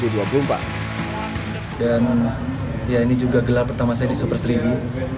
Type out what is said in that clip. dan ya ini juga gelar pertama saya di super seribu